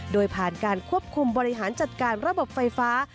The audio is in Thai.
โดยผ่านการควบคุมบริหารจัดการระบบไฟฟ้า